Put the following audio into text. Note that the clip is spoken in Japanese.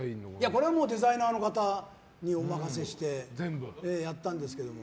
これはデザイナーの方にお任せしてやったんですけど。